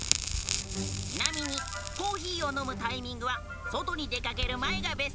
ちなみにコーヒーを飲むタイミングは外に出かける前がベスト。